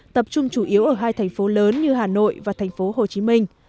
tập trung chủ yếu ở hai thành phố lớn như hà nội và thành phố hồ chí minh